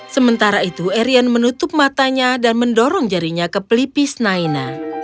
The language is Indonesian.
sementara itu erian menutup matanya dan mendorong jarinya ke pelipis naina